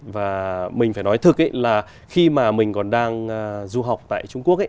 và mình phải nói thực là khi mà mình còn đang du học tại trung quốc